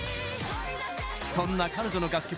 そんな彼女の楽曲